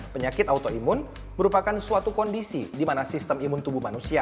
penyakit autoimun merupakan suatu kondisi di mana sistem imun tubuh manusia